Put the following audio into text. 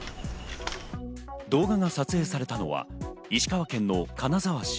動画が撮影されたのは石川県の金沢市。